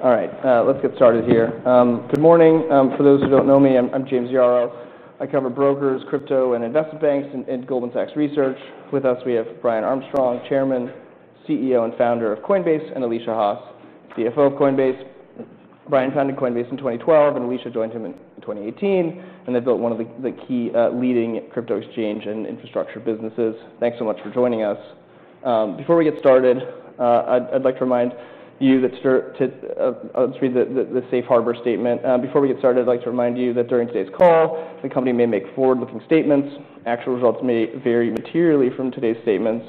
All right, let's get started here. Good morning. For those who don't know me, I'm James Yaro. I cover brokers, crypto, and investment banks in Goldman Sachs Research. With us, we have Brian Armstrong, Chairman, CEO, and Founder of Coinbase, and Alesia Haas, CFO of Coinbase. Brian founded Coinbase in 2012, and Alesia joined him in 2018. They built one of the key leading crypto exchange and infrastructure businesses. Thanks so much for joining us. Before we get started, I'd like to remind you that during today's call, the company may make forward-looking statements. Actual results may vary materially from today's statements.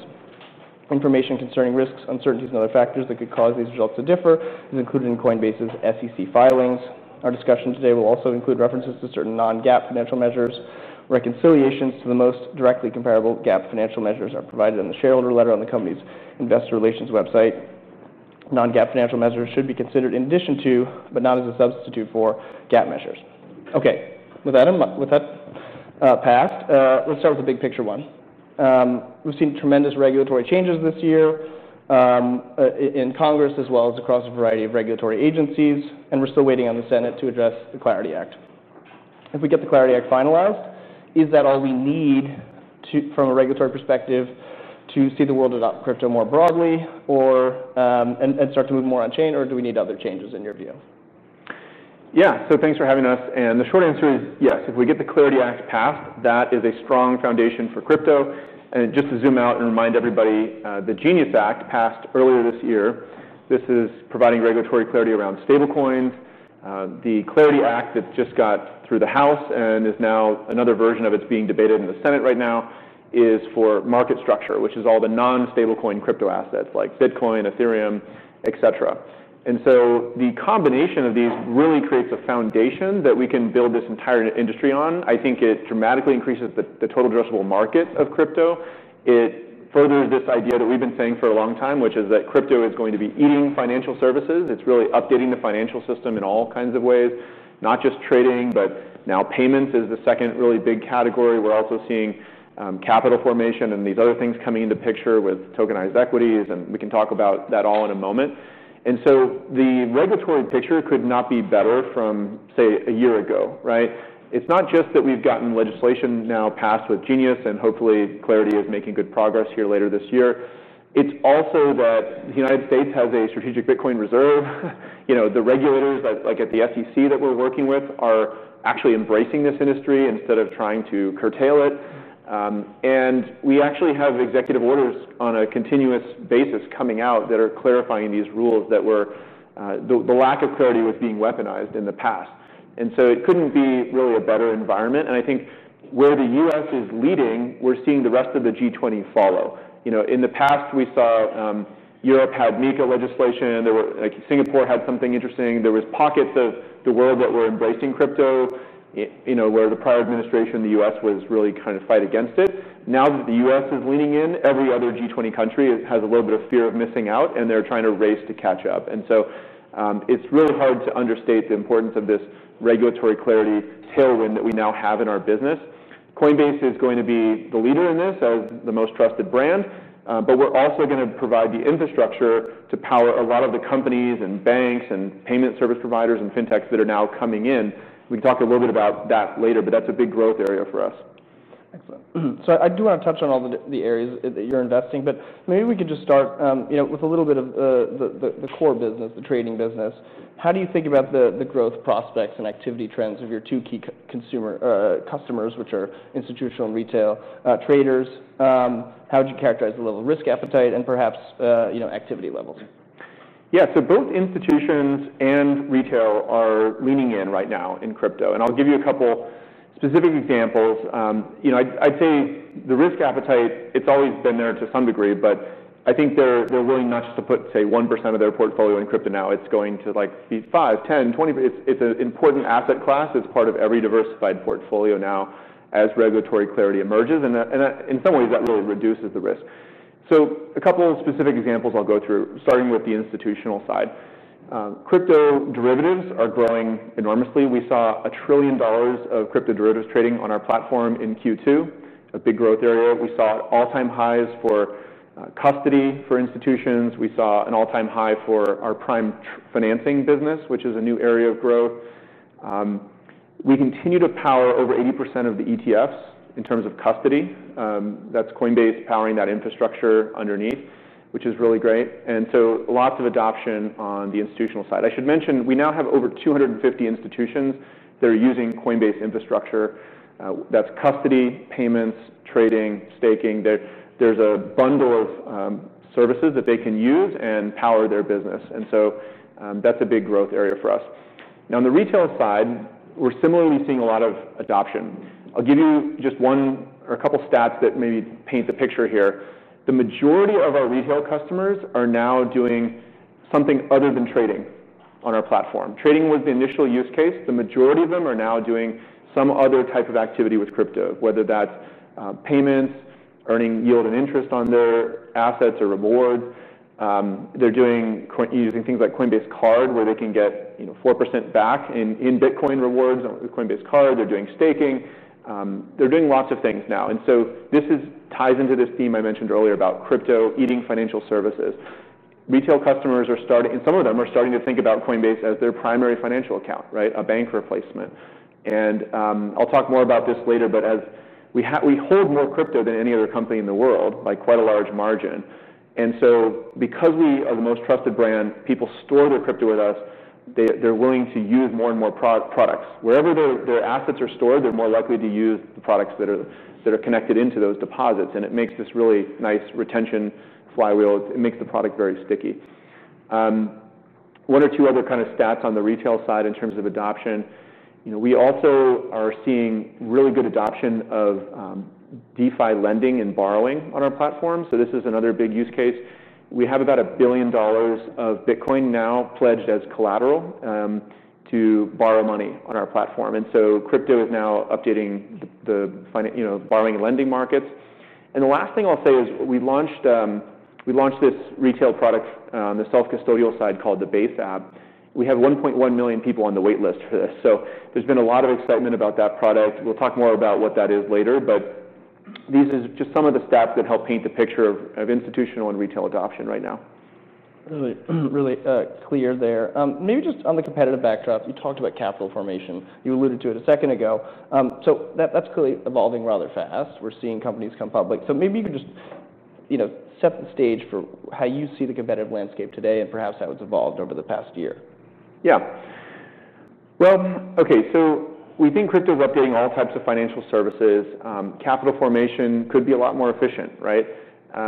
Information concerning risks, uncertainties, and other factors that could cause these results to differ is included in Coinbase's SEC filings. Our discussion today will also include references to certain non-GAAP financial measures. Reconciliations to the most directly comparable GAAP financial measures are provided in the shareholder letter on the company's investor relations website. Non-GAAP financial measures should be considered in addition to, but not as a substitute for, GAAP measures. With that passed, let's start with the big picture one. We've seen tremendous regulatory changes this year in Congress, as well as across a variety of regulatory agencies, and we're still waiting on the Senate to address the Clarity Act. If we get the Clarity Act finalized, is that all we need from a regulatory perspective to see the world adopt crypto more broadly and start to move more on-chain, or do we need other changes in your view? Yeah, thanks for having us. The short answer is yes. If we get the Clarity Act passed, that is a strong foundation for crypto. Just to zoom out and remind everybody, the Genius Act passed earlier this year. This is providing regulatory clarity around stablecoins. The Clarity Act that just got through the House and is now another version of it being debated in the Senate right now is for market structure, which is all the non-stablecoin crypto assets like Bitcoin, Ethereum, etc. The combination of these really creates a foundation that we can build this entire industry on. I think it dramatically increases the total addressable market of crypto. It furthers this idea that we've been saying for a long time, which is that crypto is going to be eating financial services. It's really updating the financial system in all kinds of ways, not just trading, but now payments is the second really big category. We're also seeing capital formation and these other things coming into picture with tokenized equities, and we can talk about that all in a moment. The regulatory picture could not be better from, say, a year ago, right? It's not just that we've gotten legislation now passed with Genius and hopefully Clarity is making good progress here later this year. It's also that the U.S. has a strategic Bitcoin reserve. The regulators, like at the SEC that we're working with, are actually embracing this industry instead of trying to curtail it. We actually have executive orders on a continuous basis coming out that are clarifying these rules. The lack of clarity was being weaponized in the past. It couldn't be really a better environment. I think where the U.S. is leading, we're seeing the rest of the G20 follow. In the past, we saw Europe had MECA legislation. There were, like, Singapore had something interesting. There were pockets of the world that were embracing crypto, where the prior administration, the U.S., was really kind of fighting against it. Now that the U.S. is leaning in, every other G20 country has a little bit of fear of missing out, and they're trying to race to catch up. It's really hard to understate the importance of this regulatory clarity siren that we now have in our business. Coinbase is going to be the leader in this as the most trusted brand, but we're also going to provide the infrastructure to power a lot of the companies and banks and payment service providers and fintechs that are now coming in. We can talk a little bit about that later, but that's a big growth area for us. Excellent. I do want to touch on all the areas that you're investing in, but maybe we can just start with a little bit of the core business, the trading business. How do you think about the growth prospects and activity trends of your two key consumer customers, which are institutional and retail traders? How would you characterize the level of risk appetite and perhaps activity levels? Yeah, so both institutions and retail are leaning in right now in crypto, and I'll give you a couple specific examples. I'd say the risk appetite, it's always been there to some degree, but I think they're willing not just to put, say, 1% of their portfolio in crypto now. It's going to like see 5%, 10%, 20%. It's an important asset class. It's part of every diversified portfolio now as regulatory clarity emerges, and in some ways, that really reduces the risk. A couple of specific examples I'll go through, starting with the institutional side. Crypto derivatives are growing enormously. We saw $1 trillion of crypto derivatives trading on our platform in Q2, a big growth area. We saw all-time highs for custody for institutions. We saw an all-time high for our prime financing business, which is a new area of growth. We continue to power over 80% of the ETFs in terms of custody. That's Coinbase powering that infrastructure underneath, which is really great. Lots of adoption on the institutional side. I should mention we now have over 250 institutions that are using Coinbase infrastructure. That's custody, payments, trading, staking. There's a bundle of services that they can use and power their business. That's a big growth area for us. Now on the retail side, we're similarly seeing a lot of adoption. I'll give you just one or a couple of stats that maybe paint the picture here. The majority of our retail customers are now doing something other than trading on our platform. Trading was the initial use case. The majority of them are now doing some other type of activity with crypto, whether that's payments, earning yield and interest on their assets or rewards. They're using things like Coinbase Card, where they can get 4% back in Bitcoin rewards on Coinbase Card. They're doing staking. They're doing lots of things now. This ties into this theme I mentioned earlier about crypto eating financial services. Retail customers are starting, and some of them are starting to think about Coinbase as their primary financial account, right? A bank replacement. I'll talk more about this later, but as we hold more crypto than any other company in the world, by quite a large margin. Because we are the most trusted brand, people store their crypto with us. They're willing to use more and more products. Wherever their assets are stored, they're more likely to use the products that are connected into those deposits. It makes this really nice retention flywheel. It makes the product very sticky. One or two other kind of stats on the retail side in terms of adoption. We also are seeing really good adoption of DeFi lending and borrowing on our platform. This is another big use case. We have about $1 billion of Bitcoin now pledged as collateral to borrow money on our platform. Crypto is now updating the borrowing and lending markets. The last thing I'll say is we launched this retail product on the self-custodial side called the Base App. We have 1.1 million people on the waitlist for this. There's been a lot of excitement about that product. We'll talk more about what that is later. These are just some of the stats that help paint the picture of institutional and retail adoption right now. Really, really clear there. Maybe just on the competitive backdrop, you talked about capital formation. You alluded to it a second ago. That's clearly evolving rather fast. We're seeing companies come public. Maybe you can just set the stage for how you see the competitive landscape today and perhaps how it's evolved over the past year. Yeah. OK, so we think crypto is updating all types of financial services. Capital formation could be a lot more efficient, right?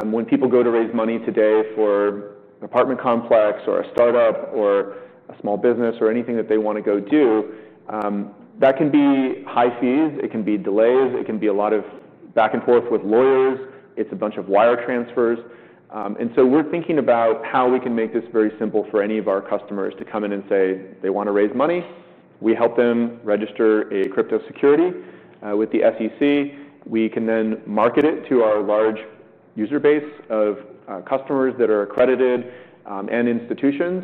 When people go to raise money today for an apartment complex or a startup or a small business or anything that they want to go do, that can be high fees. It can be delays. It can be a lot of back and forth with lawyers. It's a bunch of wire transfers. We are thinking about how we can make this very simple for any of our customers to come in and say they want to raise money. We help them register a crypto security with the SEC. We can then market it to our large user base of customers that are accredited and institutions.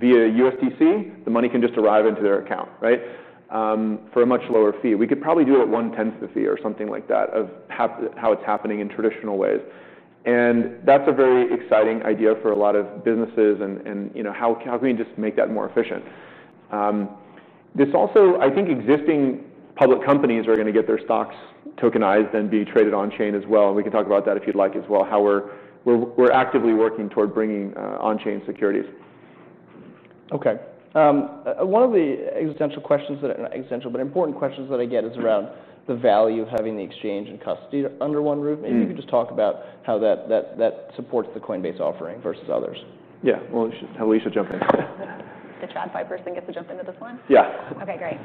Via USD Coin, the money can just arrive into their account, right, for a much lower fee. We could probably do it at one-tenth of the fee or something like that of how it's happening in traditional ways. That's a very exciting idea for a lot of businesses. How can we just make that more efficient? This also, I think, existing public companies are going to get their stocks tokenized and be traded on-chain as well. We can talk about that if you'd like as well, how we're actively working toward bringing on-chain securities. OK. One of the existential questions, not existential, but important questions that I get is around the value of having the exchange and custody under one roof. Maybe you could just talk about how that supports the Coinbase offering versus others. Yeah, we should have Alesia jump in. The TradFi person gets to jump into this one? Yeah. OK, great.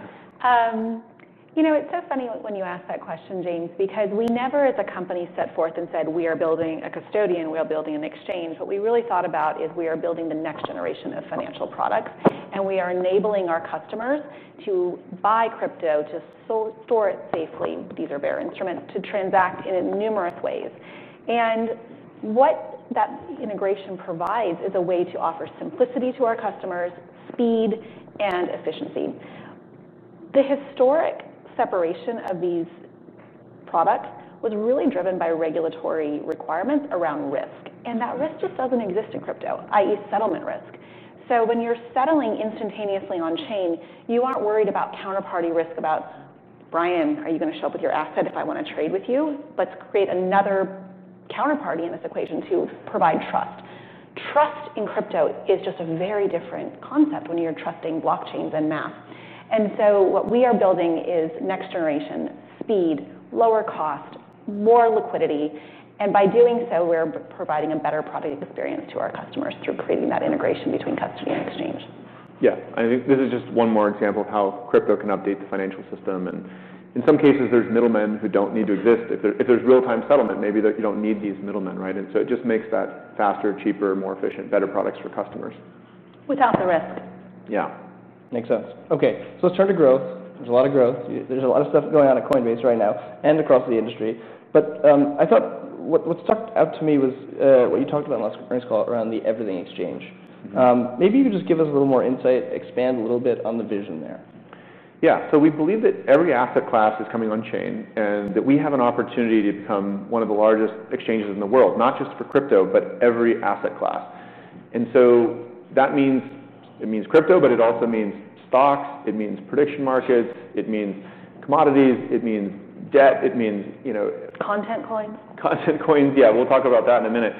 You know, it's so funny when you ask that question, James, because we never, as a company, set forth and said we are building a custodian, we are building an exchange. What we really thought about is we are building the next generation of financial products. We are enabling our customers to buy crypto, to store it safely—these are bearer instruments—to transact in numerous ways. What that integration provides is a way to offer simplicity to our customers, speed, and efficiency. The historic separation of these products was really driven by regulatory requirements around risk. That risk just doesn't exist in crypto, i.e., settlement risk. When you're settling instantaneously on-chain, you aren't worried about counterparty risk about, "Brian, are you going to show up with your asset if I want to trade with you? Let's create another counterparty in this equation to provide trust." Trust in crypto is just a very different concept when you're trusting blockchains and math. What we are building is next generation, speed, lower cost, more liquidity. By doing so, we're providing a better product experience to our customers through creating that integration between custody and exchange. I think this is just one more example of how crypto can update the financial system. In some cases, there are middlemen who don't need to exist. If there's real-time settlement, maybe you don't need these middlemen, right? It just makes that faster, cheaper, more efficient, better products for customers. Without the risk. Yeah, makes sense. OK, let's turn to growth. There's a lot of growth. There's a lot of stuff going on at Coinbase right now and across the industry. What stuck out to me was what you talked about in the last earnings call around the Everything Exchange. Maybe you could just give us a little more insight, expand a little bit on the vision there. Yeah, we believe that every asset class is coming on-chain and that we have an opportunity to become one of the largest exchanges in the world, not just for crypto, but every asset class. That means crypto, but it also means stocks, prediction markets, commodities, and debt. It means. Content coins. Content coins, yeah. We'll talk about that in a minute.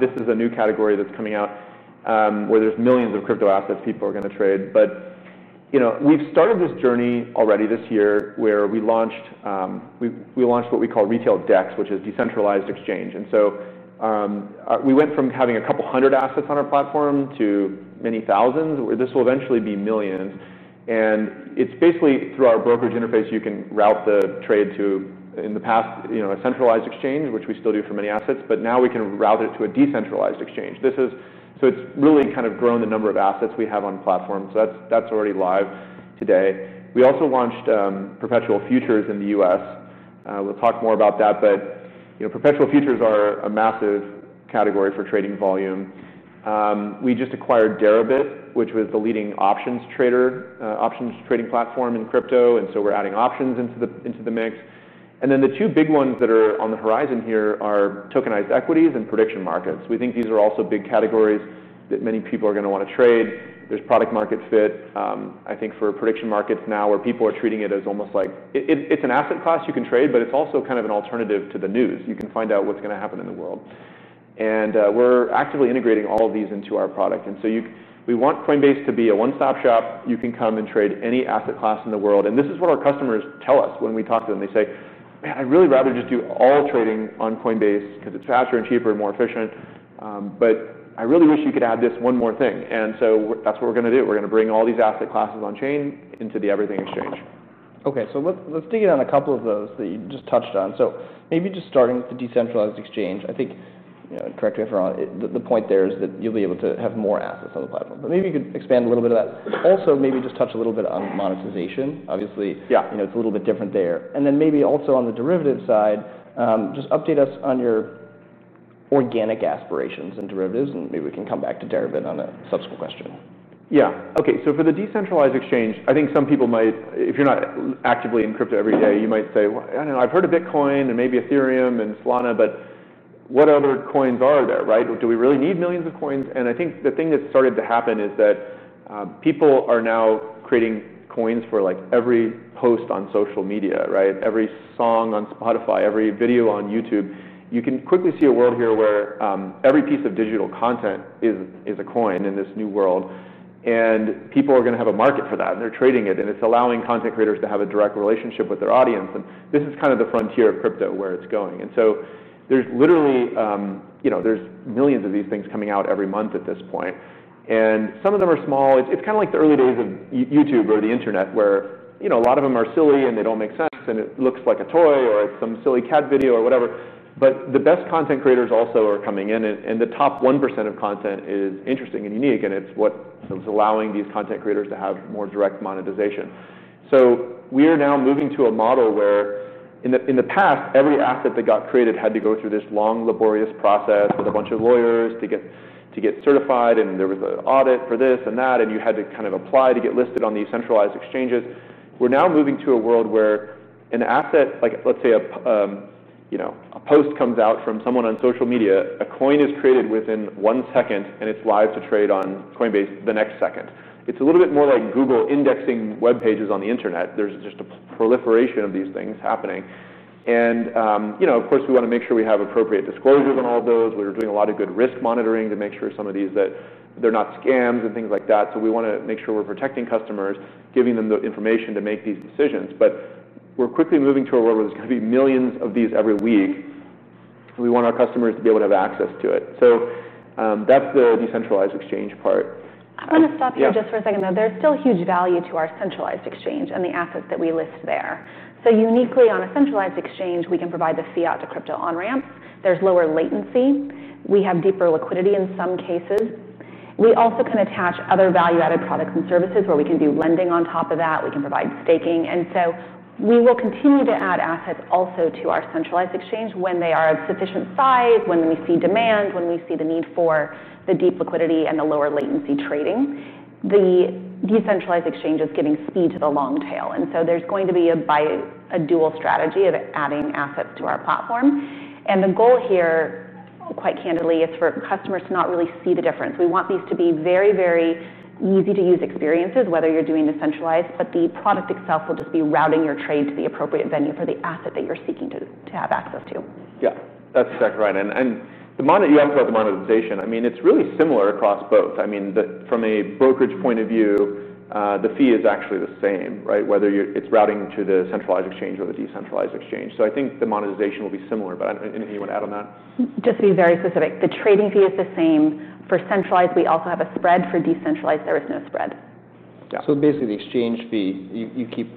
This is a new category that's coming out where there's millions of crypto assets people are going to trade. You know we've started this journey already this year where we launched what we call retail DEX, which is decentralized exchange. We went from having a couple hundred assets on our platform to many thousands. This will eventually be millions. It's basically through our brokerage interface. You can route the trade to, in the past, a centralized exchange, which we still do for many assets. Now we can route it to a decentralized exchange. It's really kind of grown the number of assets we have on platform. That's already live today. We also launched perpetual futures in the U.S. We'll talk more about that. Perpetual futures are a massive category for trading volume. We just acquired Deribit, which was the leading options trading platform in crypto. We're adding options into the mix. The two big ones that are on the horizon here are tokenized equities and prediction markets. We think these are also big categories that many people are going to want to trade. There's product-market fit, I think, for prediction markets now where people are treating it as almost like it's an asset class you can trade, but it's also kind of an alternative to the news. You can find out what's going to happen in the world. We're actively integrating all of these into our product. We want Coinbase to be a one-stop shop. You can come and trade any asset class in the world. This is what our customers tell us when we talk to them. They say, "Man, I'd really rather just do all trading on Coinbase because it's faster and cheaper and more efficient. But I really wish you could add this one more thing." That's what we're going to do. We're going to bring all these asset classes on-chain into the Everything Exchange. OK, let's dig in on a couple of those that you just touched on. Maybe just starting with the decentralized exchange. I think, correct me if I'm wrong, the point there is that you'll be able to have more assets on the platform. Maybe you could expand a little bit on that. Also, maybe just touch a little bit on monetization. Obviously, it's a little bit different there. Maybe also on the derivative side, just update us on your organic aspirations in derivatives. Maybe we can come back to Deribit on a subsequent question. Yeah, OK, so for the decentralized exchange, I think some people might, if you're not actively in crypto every day, you might say, "I don't know. I've heard of Bitcoin and maybe Ethereum and Solana, but what other coins are there? Do we really need millions of coins?" I think the thing that's started to happen is that people are now creating coins for like every post on social media, right? Every song on Spotify, every video on YouTube. You can quickly see a world here where every piece of digital content is a coin in this new world. People are going to have a market for that, and they're trading it. It's allowing content creators to have a direct relationship with their audience. This is kind of the frontier of crypto where it's going. There's literally, you know, millions of these things coming out every month at this point. Some of them are small. It's kind of like the early days of YouTube or the internet, where a lot of them are silly and they don't make sense. It looks like a toy or some silly cat video or whatever. The best content creators also are coming in, and the top 1% of content is interesting and unique. It's what is allowing these content creators to have more direct monetization. We are now moving to a model where in the past, every asset that got created had to go through this long, laborious process with a bunch of lawyers to get certified. There was an audit for this and that, and you had to kind of apply to get listed on these centralized exchanges. We're now moving to a world where an asset, like let's say a post comes out from someone on social media, a coin is traded within one second, and it's live to trade on Coinbase the next second. It's a little bit more like Google indexing web pages on the internet. There's just a proliferation of these things happening. Of course, we want to make sure we have appropriate disclosures on all of those. We're doing a lot of good risk monitoring to make sure some of these that they're not scams and things like that. We want to make sure we're protecting customers, giving them the information to make these decisions. We're quickly moving to a world where there's going to be millions of these every week. We want our customers to be able to have access to it. That's the decentralized exchange part. I want to stop you just for a second, though. There's still huge value to our centralized exchange and the assets that we list there. Uniquely on a centralized exchange, we can provide the fiat to crypto on-ramps. There's lower latency. We have deeper liquidity in some cases. We also can attach other value-added products and services where we can do lending on top of that. We can provide staking. We will continue to add assets also to our centralized exchange when they are of sufficient size, when we see demand, when we see the need for the deep liquidity and the lower latency trading. The decentralized exchange is giving speed to the long tail. There's going to be a dual strategy of adding assets to our platform. The goal here, quite candidly, is for customers to not really see the difference. We want these to be very, very easy-to-use experiences, whether you're doing decentralized. The product itself will just be routing your trade to the appropriate venue for the asset that you're seeking to have access to. Yeah, that's exactly right. The amount that you asked about the monetization, it's really similar across both. From a brokerage point of view, the fee is actually the same, right? Whether it's routing to the centralized exchange or the decentralized exchange, I think the monetization will be similar. Anything you want to add on that? Just to be very specific, the trading fee is the same for centralized. We also have a spread for decentralized. There is no spread. Basically, the exchange fee, you keep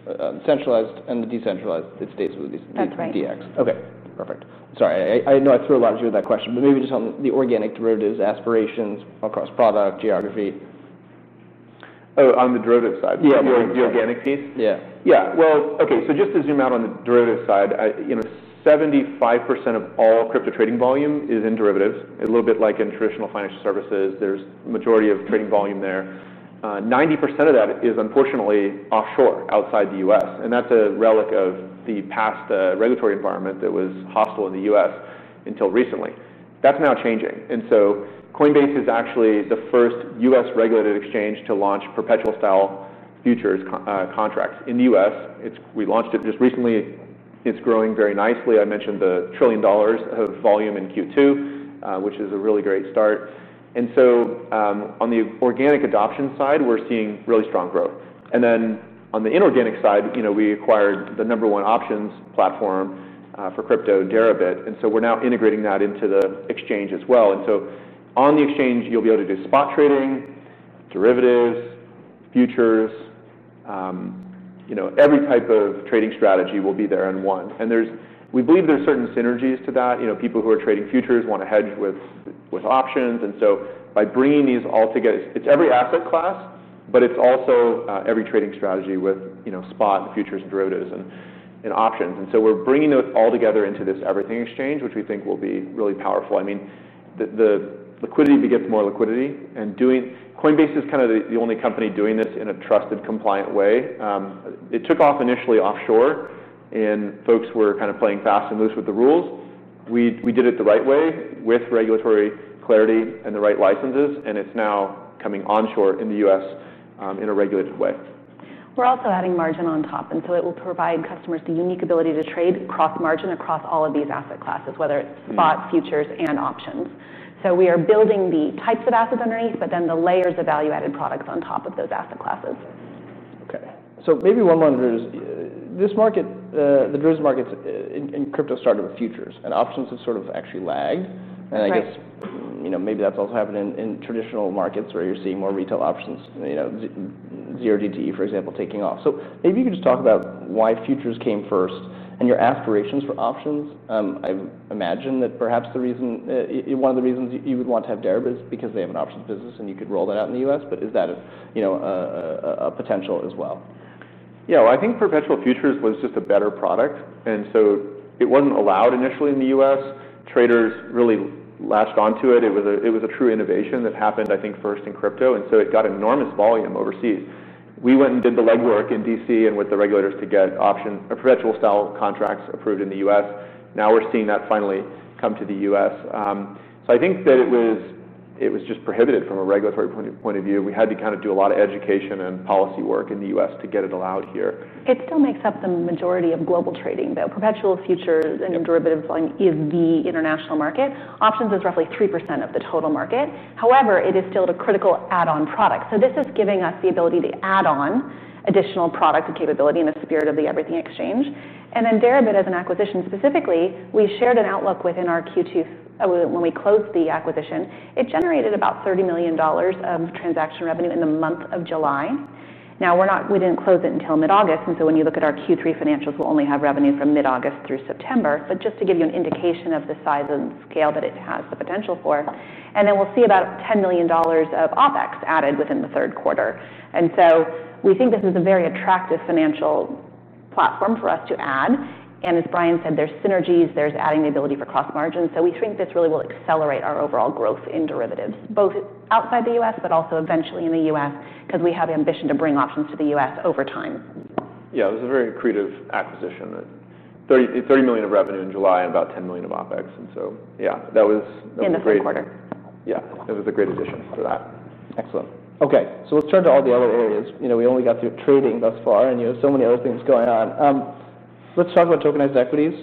centralized, and the decentralized, it stays within these DEX. OK, perfect. Sorry, I know I threw a lot at you with that question. Maybe just on the organic derivatives, aspirations across product, geography. Oh. On the derivative side, the organic piece? Yeah. OK, so just to zoom out on the derivative side, you know, 75% of all crypto trading volume is in derivatives, a little bit like in traditional financial services. There's a majority of trading volume there. 90% of that is, unfortunately, offshore, outside the U.S. That's a relic of the past regulatory environment that was hostile in the U.S. until recently. That's now changing. Coinbase is actually the first U.S.-regulated exchange to launch perpetual style futures contracts in the U.S. We launched it just recently. It's growing very nicely. I mentioned the trillion dollars of volume in Q2, which is a really great start. On the organic adoption side, we're seeing really strong growth. On the inorganic side, we acquired the number one options platform for crypto, Deribit. We're now integrating that into the exchange as well. On the exchange, you'll be able to do spot trading, derivatives, futures. Every type of trading strategy will be there in one. We believe there's certain synergies to that. People who are trading futures want to hedge with options. By bringing these all together, it's every asset class, but it's also every trading strategy with spot, the futures, derivatives, and options. We're bringing it all together into this Everything Exchange, which we think will be really powerful. The liquidity begets more liquidity. Coinbase is kind of the only company doing this in a trusted, compliant way. It took off initially offshore. Folks were kind of playing fast and loose with the rules. We did it the right way with regulatory clarity and the right licenses. It's now coming onshore in the U.S. in a regulated way. We're also adding margin on top. It will provide customers the unique ability to trade cross-margin across all of these asset classes, whether it's spot, futures, and options. We are building the types of assets underneath, but then the layers of value-added products on top of those asset classes. OK, so maybe one more. Is this market, the derivative markets in crypto started with futures. Options have sort of actually lagged. I guess maybe that's also happening in traditional markets where you're seeing more retail options, you know, zero DTE, for example, taking off. Maybe you could just talk about why futures came first and your aspirations for options. I imagine that perhaps one of the reasons you would want to have Deribit is because they have an options business, and you could roll that out in the U.S. Is that a potential as well? Yeah, I think perpetual futures was just a better product. It wasn't allowed initially in the U.S. Traders really latched onto it. It was a true innovation that happened, I think, first in crypto. It got enormous volume overseas. We went and did the legwork in D.C. and with the regulators to get perpetual style contracts approved in the U.S. Now we're seeing that finally come to the U.S. I think that it was just prohibited from a regulatory point of view. We had to kind of do a lot of education and policy work in the U.S. to get it allowed here. It still makes up the majority of global trading, though. Perpetual futures and derivatives is the international market. Options is roughly 3% of the total market. However, it is still a critical add-on product. This is giving us the ability to add on additional product and capability in the spirit of the Everything Exchange. Deribit, as an acquisition specifically, we shared an outlook within our Q2. When we closed the acquisition, it generated about $30 million of transaction revenue in the month of July. We didn't close it until mid-August, and when you look at our Q3 financials, we'll only have revenue from mid-August through September. Just to give you an indication of the size and scale that it has the potential for, we'll see about $10 million of OpEx added within the third quarter. We think this is a very attractive financial platform for us to add. As Brian said, there's synergies. There's adding the ability for cross-margin. We think this really will accelerate our overall growth in derivatives, both outside the U.S., but also eventually in the U.S., because we have ambition to bring options to the U.S. over time. Yeah, it was a very creative acquisition. $30 million of revenue in July and about $10 million of OpEx. That was. In the third quarter. Yeah, it was a great addition for that. Excellent. OK, let's turn to all the other areas. You know, we only got through trading thus far. You have so many other things going on. Let's talk about tokenized equities,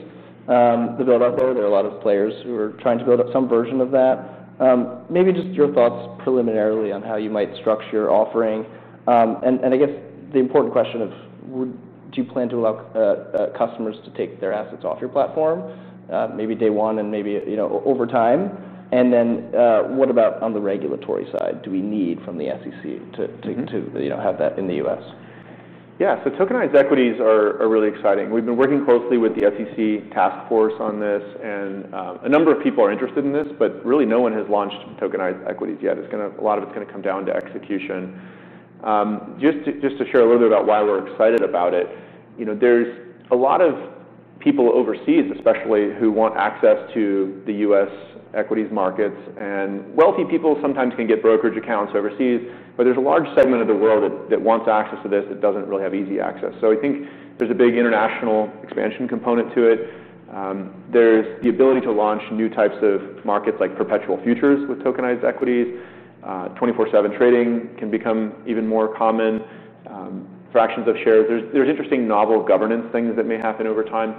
the build-up. There are a lot of players who are trying to build up some version of that. Maybe just your thoughts preliminarily on how you might structure your offering. I guess the important question of, do you plan to allow customers to take their assets off your platform, maybe day one and maybe over time? What about on the regulatory side? Do we need from the SEC to have that in the U.S.? Yeah, tokenized equities are really exciting. We've been working closely with the SEC task force on this. A number of people are interested in this, but really no one has launched tokenized equities yet. A lot of it is going to come down to execution. Just to share a little bit about why we're excited about it, there's a lot of people overseas, especially who want access to the U.S. equities markets. Wealthy people sometimes can get brokerage accounts overseas, but there's a large segment of the world that wants access to this that doesn't really have easy access. I think there's a big international expansion component to it. There's the ability to launch new types of markets like perpetual futures with tokenized equities. 24/7 trading can become even more common. Fractions of shares, there's interesting novel governance things that may happen over time.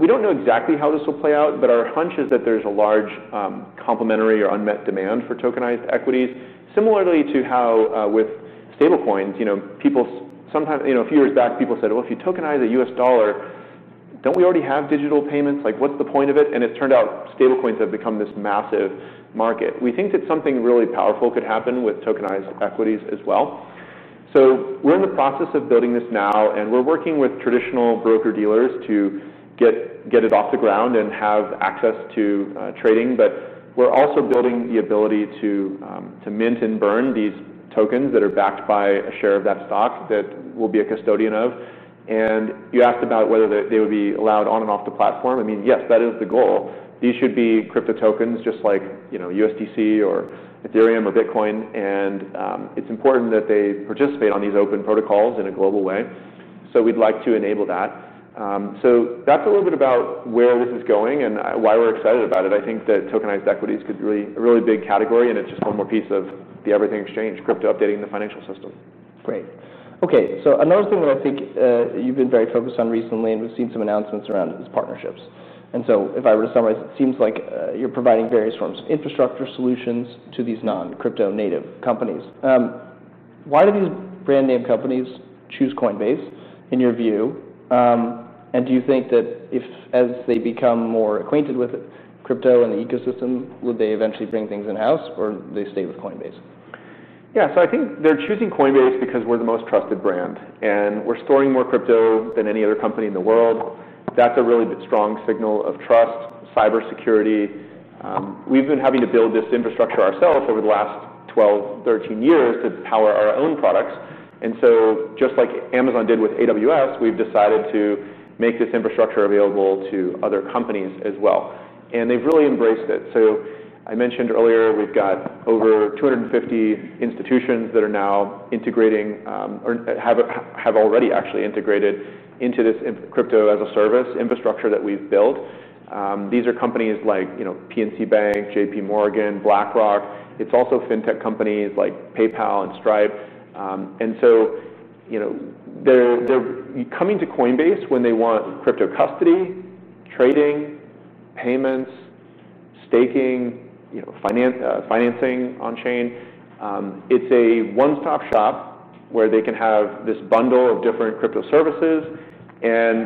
We don't know exactly how this will play out. Our hunch is that there's a large complementary or unmet demand for tokenized equities, similarly to how with stablecoins, people sometimes, a few years back, said, if you tokenize a U.S. dollar, don't we already have digital payments? What's the point of it? It turned out stablecoins have become this massive market. We think that something really powerful could happen with tokenized equities as well. We're in the process of building this now. We're working with traditional broker-dealers to get it off the ground and have access to trading. We're also building the ability to mint and burn these tokens that are backed by a share of that stock that we'll be a custodian of. You asked about whether they would be allowed on and off the platform. Yes, that is the goal. These should be crypto tokens just like USD Coin or Ethereum or Bitcoin. It's important that they participate on these open protocols in a global way. We'd like to enable that. That's a little bit about where this is going and why we're excited about it. I think that tokenized equities could be a really big category. It's just one more piece of the Everything Exchange, crypto updating the financial system. Great. OK, another thing that I think you've been very focused on recently, we've seen some announcements around these partnerships. If I were to summarize, it seems like you're providing various forms of infrastructure solutions to these non-crypto-native companies. Why do these brand-name companies choose Coinbase, in your view? Do you think that if, as they become more acquainted with crypto and the ecosystem, would they eventually bring things in-house or stay with Coinbase? Yeah, so I think they're choosing Coinbase because we're the most trusted brand, and we're storing more crypto than any other company in the world. That's a really strong signal of trust, cybersecurity. We've been having to build this infrastructure ourselves over the last 12, 13 years to power our own products. Just like Amazon did with AWS, we've decided to make this infrastructure available to other companies as well, and they've really embraced it. I mentioned earlier, we've got over 250 institutions that are now integrating or have already actually integrated into this crypto as a service infrastructure that we've built. These are companies like PNC Bank, JPMorgan, BlackRock. It's also fintech companies like PayPal and Stripe. They're coming to Coinbase when they want crypto custody, trading, payments, staking, financing on-chain. It's a one-stop shop where they can have this bundle of different crypto services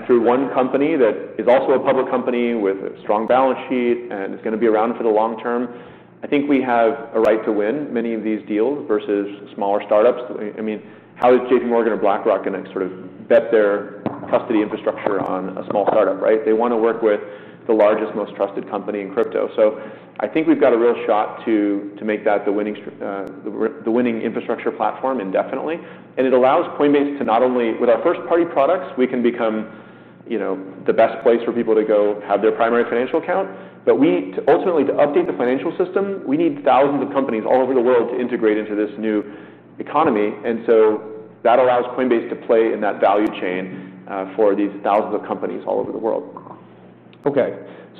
through one company that is also a public company with a strong balance sheet and is going to be around for the long term. I think we have a right to win many of these deals versus smaller startups. I mean, how is JPMorgan or BlackRock going to sort of bet their custody infrastructure on a small startup, right? They want to work with the largest, most trusted company in crypto. I think we've got a real shot to make that the winning infrastructure platform indefinitely. It allows Coinbase to not only, with our first-party products, become the best place for people to go have their primary financial account, but ultimately, to update the financial system, we need thousands of companies all over the world to integrate into this new economy. That allows Coinbase to play in that value chain for these thousands of companies all over the world. OK,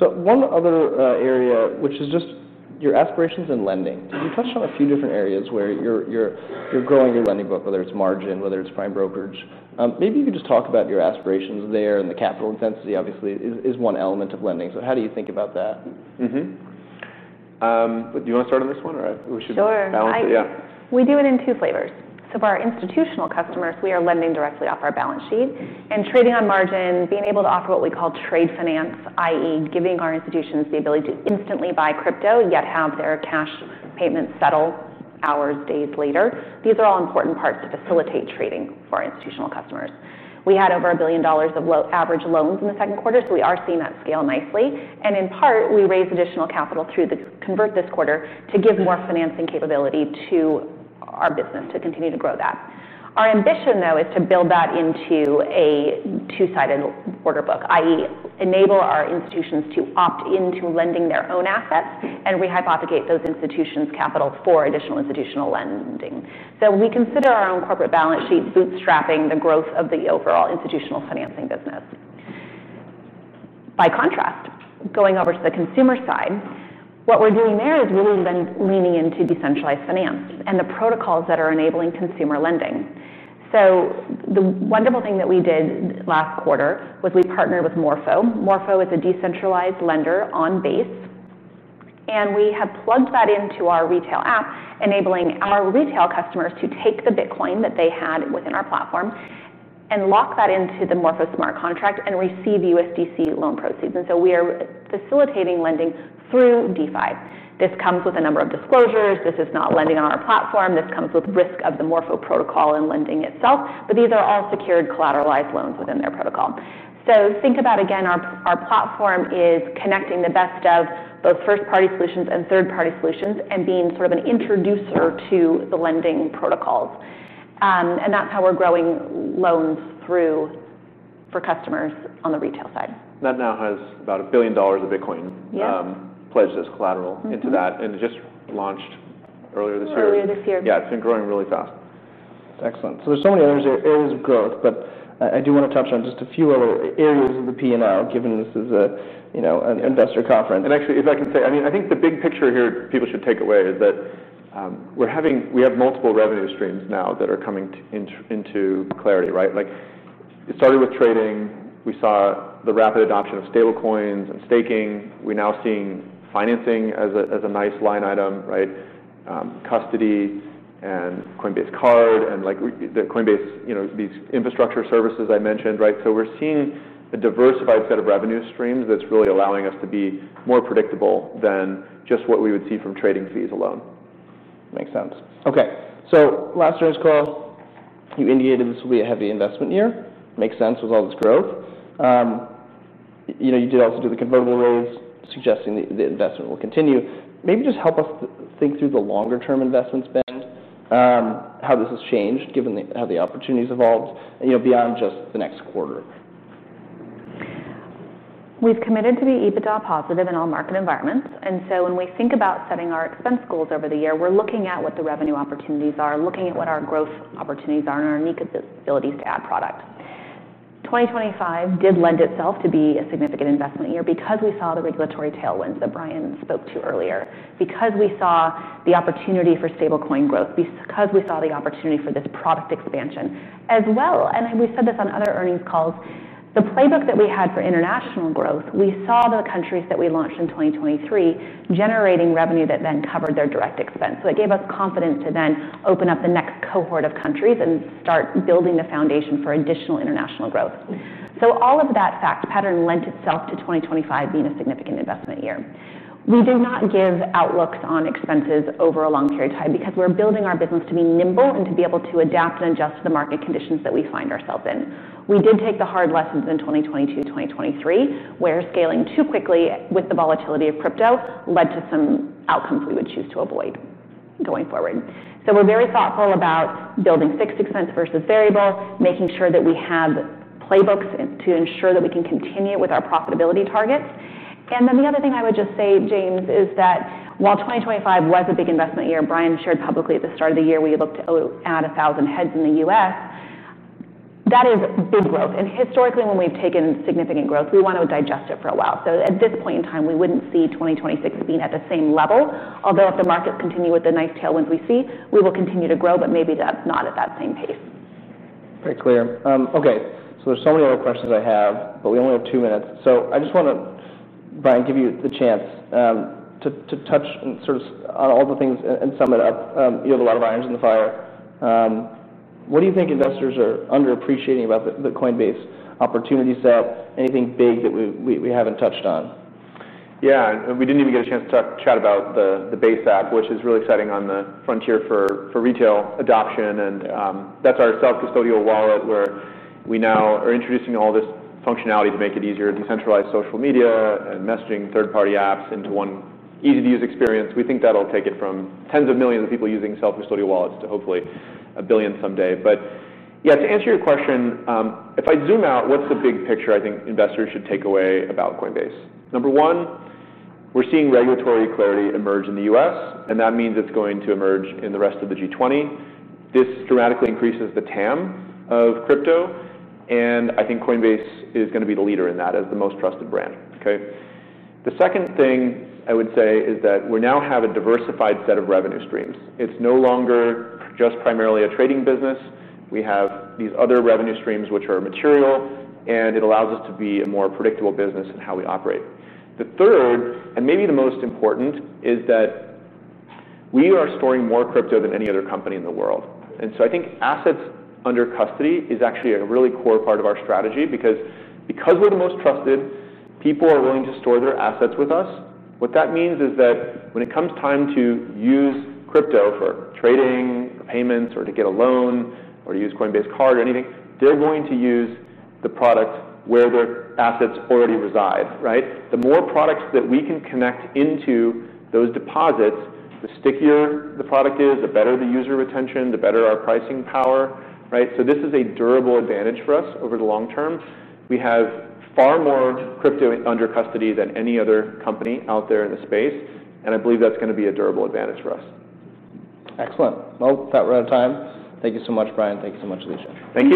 one other area, which is just your aspirations in lending. You touched on a few different areas where you're growing your lending book, whether it's margin, whether it's prime brokerage. Maybe you could just talk about your aspirations there. The capital intensity, obviously, is one element of lending. How do you think about that? Do you want to start on this one? Sure. We do it in two flavors. For our institutional customers, we are lending directly off our balance sheet. Trading on margin, being able to offer what we call trade finance, i.e., giving our institutions the ability to instantly buy crypto, yet have their cash payments settle hours or days later, are all important parts to facilitate trading for our institutional customers. We had over $1 billion of average loans in the second quarter, so we are seeing that scale nicely. In part, we raised additional capital through the Convert this quarter to give more financing capability to our business to continue to grow that. Our ambition is to build that into a two-sided order book, i.e., enable our institutions to opt into lending their own assets and rehypothecate those institutions' capital for additional institutional lending. We consider our own corporate balance sheet bootstrapping the growth of the overall institutional financing business. By contrast, going over to the consumer side, what we're doing there is really leaning into decentralized finance and the protocols that are enabling consumer lending. The wonderful thing that we did last quarter was we partnered with Morpho. Morpho is a decentralized lender on Base, and we have plugged that into our retail app, enabling our retail customers to take the Bitcoin that they had within our platform and lock that into the Morpho smart contract and receive USDC loan proceeds. We are facilitating lending through DeFi. This comes with a number of disclosures. This is not lending on our platform. This comes with risk of the Morpho protocol and lending itself, but these are all secured collateralized loans within their protocol. Think about, again, our platform is connecting the best of both first-party solutions and third-party solutions and being sort of an introducer to the lending protocols. That's how we're growing loans for customers on the retail side. That now has about $1 billion of Bitcoin pledged as collateral into that. It just launched earlier this year. Earlier this year. Yeah, it's been growing really fast. There are so many other areas of growth. I do want to touch on just a few little areas of the P&L, given this is an investor conference. I think the big picture here people should take away is that we have multiple revenue streams now that are coming into clarity, right? Like, it started with trading. We saw the rapid adoption of stablecoins and staking. We're now seeing financing as a nice line item, right? Custody and Coinbase Card, and like Coinbase, these infrastructure services I mentioned, right? We're seeing a diversified set of revenue streams that's really allowing us to be more predictable than just what we would see from trading fees alone. Makes sense. OK, so last year's call, you indicated this will be a heavy investment year. Makes sense with all this growth. You did also do the convertible rules, suggesting that the investment will continue. Maybe just help us think through the longer-term investment spend, how this has changed, given how the opportunities evolved, and beyond just the next quarter. We've committed to be EBITDA positive in all market environments. When we think about setting our expense goals over the year, we're looking at what the revenue opportunities are, looking at what our growth opportunities are, and our unique abilities to add product. 2025 did lend itself to be a significant investment year because we saw the regulatory tailwinds that Brian spoke to earlier, because we saw the opportunity for stablecoin growth, because we saw the opportunity for this product expansion as well. We said this on other earnings calls. The playbook that we had for international growth, we saw the countries that we launched in 2023 generating revenue that then covered their direct expense. It gave us confidence to then open up the next cohort of countries and start building the foundation for additional international growth. All of that fact pattern lent itself to 2025 being a significant investment year. We do not give outlooks on expenses over a long period of time because we're building our business to be nimble and to be able to adapt and adjust to the market conditions that we find ourselves in. We did take the hard lessons in 2022 and 2023, where scaling too quickly with the volatility of crypto led to some outcomes we would choose to avoid going forward. We're very thoughtful about building fixed expense versus variable, making sure that we have playbooks to ensure that we can continue with our profitability targets. The other thing I would just say, James, is that while 2025 was a big investment year, Brian shared publicly at the start of the year, we looked at 1,000 heads in the U.S. That is big growth. Historically, when we've taken significant growth, we want to digest it for a while. At this point in time, we wouldn't see 2026 being at the same level. Although if the markets continue with the nice tailwinds we see, we will continue to grow. Maybe that's not at that same pace. Very clear. OK, there are so many other questions I have, but we only have two minutes. I just want to, Brian, give you the chance to touch on all the things and sum it up. You have a lot of irons in the fire. What do you think investors are underappreciating about the Coinbase opportunities? Anything big that we haven't touched on? Yeah, we didn't even get a chance to chat about the Base App, which is really setting on the frontier for retail adoption. That's our self-custodial wallet where we now are introducing all this functionality to make it easier to decentralize social media and messaging third-party apps into one easy-to-use experience. We think that'll take it from tens of millions of people using self-custodial wallets to hopefully a billion someday. To answer your question, if I zoom out, what's the big picture I think investors should take away about Coinbase? Number one, we're seeing regulatory clarity emerge in the U.S. That means it's going to emerge in the rest of the G20. This dramatically increases the TAM of crypto. I think Coinbase is going to be the leader in that as the most trusted brand. The second thing I would say is that we now have a diversified set of revenue streams. It's no longer just primarily a trading business. We have these other revenue streams, which are material, and it allows us to be a more predictable business in how we operate. The third, and maybe the most important, is that we are storing more crypto than any other company in the world. I think assets under custody is actually a really core part of our strategy because we're the most trusted. People are willing to store their assets with us. What that means is that when it comes time to use crypto for trading, payments, or to get a loan, or to use Coinbase Card or anything, they're going to use the product where their assets already reside, right? The more products that we can connect into those deposits, the stickier the product is, the better the user retention, the better our pricing power, right? This is a durable advantage for us over the long term. We have far more crypto under custody than any other company out there in the space. I believe that's going to be a durable advantage for us. Excellent. We're out of time. Thank you so much, Brian. Thank you so much, Alesia. Thank you.